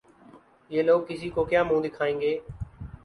یہ لوگ کسی کو کیا منہ دکھائیں گے؟